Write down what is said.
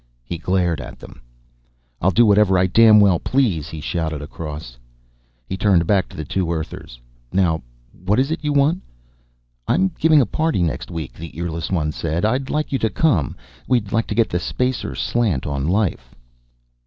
He glared at them. "I'll do whatever I damn well please," he shouted across. He turned back to the two Earthers. "Now, what is it you want?" "I'm giving a party next week," the earless one said. "I'd like you to come. We'd like to get the Spacer slant on life."